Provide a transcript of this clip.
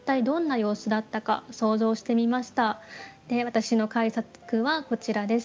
私の改作はこちらです。